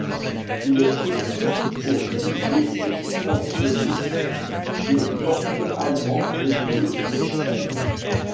Il est hostile aux visées expansionnistes de l'Empire allemand et de l'Autriche-Hongrie.